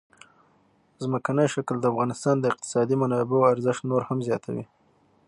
ځمکنی شکل د افغانستان د اقتصادي منابعو ارزښت نور هم زیاتوي.